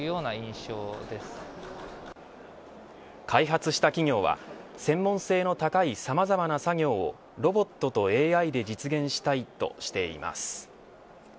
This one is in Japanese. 開発した企業は専門性の高いさまざまな作業をロボットとＡＩで実現したいとしています。